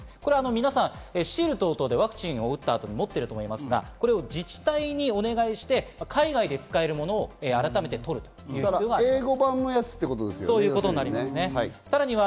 皆さん、ワクチンを打った後に持っていると思いますが、自治体にお願いして海外で使えるものを改めて取るという必要があります。